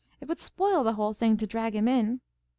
It would spoil the whole thing to drag him in."